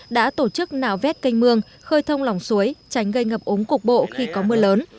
đã tổ chức nạo vét canh mương khơi thông lỏng suối tránh gây ngập ống cục bộ khi có mưa lớn